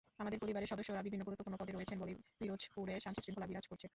আমাদের পরিবারের সদস্যরা বিভিন্ন গুরুত্বপূর্ণ পদে রয়েছেন বলেই পিরোজপুরে শান্তিশৃঙ্খলা বিরাজ করছে।